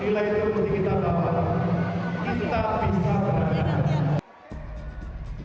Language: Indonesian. bila itu berarti kita dapat kita bisa berjaya